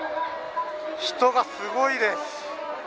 人がすごいです。